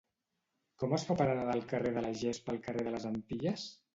Com es fa per anar del carrer de la Gespa al carrer de les Antilles?